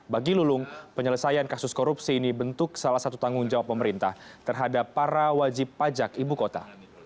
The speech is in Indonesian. bagi lulung penyelesaian kasus korupsi ini bentuk salah satu tanggung jawab pemerintah terhadap para wajib pajak ibu kota